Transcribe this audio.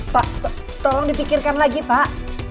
pak tolong dipikirkan lagi pak